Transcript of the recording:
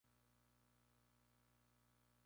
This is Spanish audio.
Inflorescencias en racimos terminales.